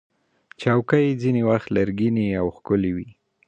چوکۍ ځینې وخت لرګینې او ښکلې وي.